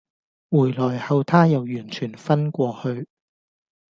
回來後她又完全昏過去